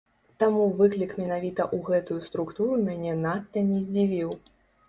Таму выклік менавіта ў гэтую структуру мяне надта не здзівіў.